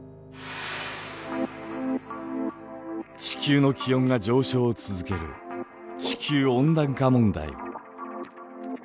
地球の気温が上昇を続ける地球温暖化問題。